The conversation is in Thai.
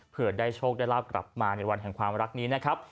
เพื่อได้โชคได้ลาบกลับมาในวันแห่งความรักนี้นะครับ